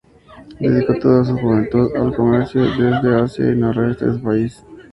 Dedicó toda su juventud al comercio desde y hacia el noroeste del país.